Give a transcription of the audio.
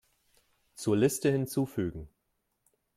Zur Liste hinzufügen.